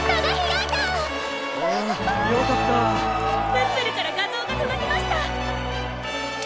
プップルからがぞうがとどきました。